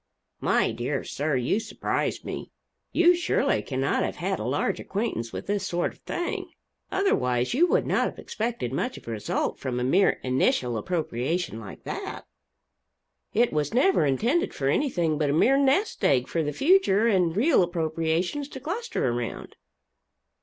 "My dear sir, you surprise me. You surely cannot have had a large acquaintance with this sort of thing. Otherwise you would not have expected much of a result from a mere INITIAL appropriation like that. It was never intended for anything but a mere nest egg for the future and real appropriations to cluster around."